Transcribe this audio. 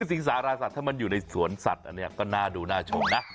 สิงสารสัตว์ถ้ามันอยู่ในสวนสัตว์อันนี้ก็น่าดูน่าชมนะ